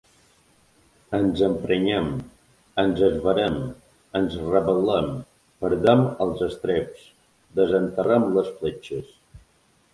Ens emprenyem, ens esverem, ens rebel·lem, perdem els estreps, desenterrem les fletxes.